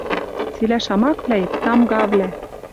Цилӓ шамаквлӓэт — тамгавлӓ